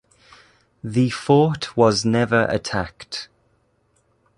The fort was never attacked.